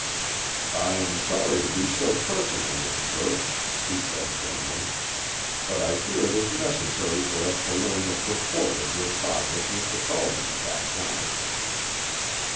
"I am sorry to be so personal, Miss Burt," he said firmly; "but I fear it is necessary for us to learn the purport of your talk with Mr. Carleton at that time."